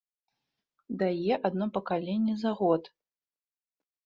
Дае адно пакаленне за год.